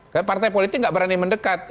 karena partai politik gak berani mendekat